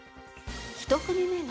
１組目は。